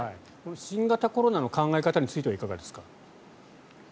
新型コロナの考え方についてはいかがですか？